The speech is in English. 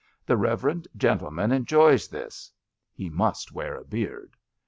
The reverend gen tleman enjoys this (he must wear a beard)